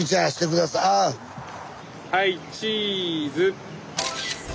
・はいチーズ！